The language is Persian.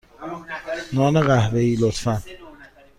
نان قهوه ای، لطفا.